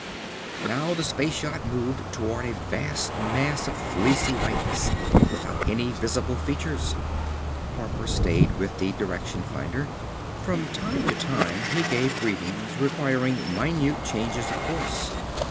Now the space yacht moved toward a vast mass of fleecy whiteness without any visible features. Harper stayed with the direction finder. From time to time he gave readings requiring minute changes of course.